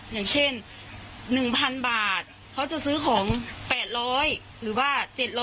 อย่างเช่น๑๐๐๐บาทเขาจะซื้อของ๘๐๐หรือว่า๗๐๐